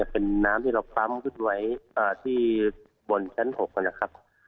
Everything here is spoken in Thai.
เป็นน้ำที่เราปั๊มขึ้นไว้ที่บนชั้น๖นะครับ